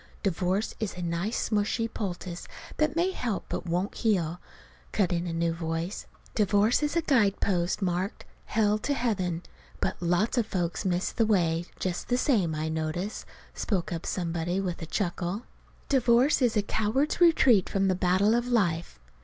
"Divorce is a nice smushy poultice that may help but won't heal," cut in a new voice. "Divorce is a guidepost marked, 'Hell to Heaven,' but lots of folks miss the way, just the same, I notice," spoke up somebody with a chuckle. "Divorce is a coward's retreat from the battle of life."